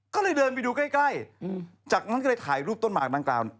ก็เลยเดินไปดูใกล้ใกล้จากนั้นก็เลยถ่ายรูปต้นหมากดังกล่าว